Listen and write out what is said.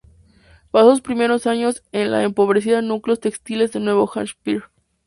Pasó sus primeros años en los empobrecidos núcleos textiles de Nuevo Hampshire.